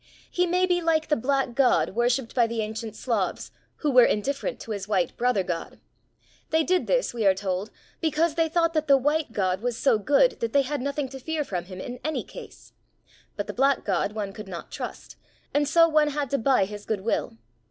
He may be like the black god worshipped by the ancient Slavs who were indifferent to his white brother god. They did this, we are told, because they thought that the white god was so good that they had nothing to fear from him in any case. But the black god one could not trust, and so one had to buy his goodwill.